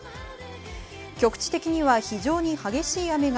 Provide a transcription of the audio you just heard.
局地的には非常に激しい雨が